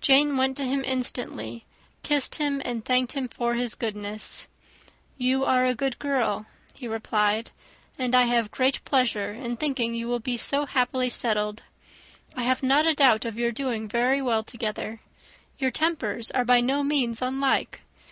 Jane went to him instantly, kissed him, and thanked him for his goodness. "You are a good girl," he replied, "and I have great pleasure in thinking you will be so happily settled. I have not a doubt of your doing very well together. Your tempers are by no means unlike.